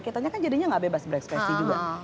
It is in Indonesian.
kita kan jadinya gak bebas berekspresi juga